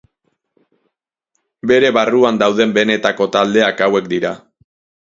Bere barruan dauden benetako taldeak hauek dira.